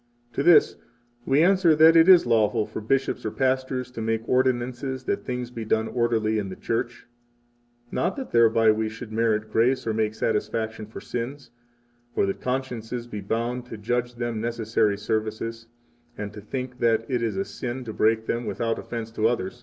To this we answer that it is lawful for bishops or pastors to make ordinances that things be done orderly in the Church, not that thereby we should merit grace or make satisfaction for sins, or that consciences be bound to judge them necessary services, and to think that it is a sin to break them 54 without offense to others.